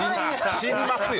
死にますよ。